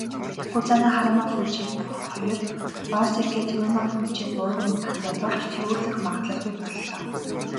Ёкозүна Харүмафүжи хоёр, озеки Тэрүнофүжи гурван унаатай болж түрүүлэх магадлалгүй боллоо.